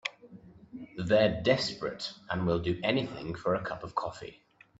They're desperate and will do anything for a cup of coffee.